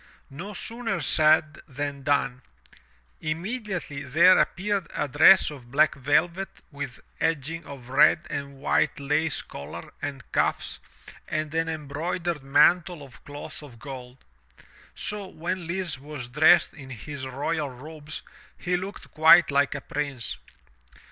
No sooner said than done; immediately there appeared a dress of black velvet with edging of red and with lace collar and cuffs and an embroidered mantle of cloth of gold. So when Lise was dressed in his royal robes he looked quite like a prince.